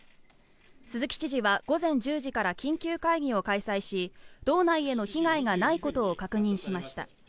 鈴木知事は午前１０時から緊急会議を開催し道内への被害がないことを確認しました。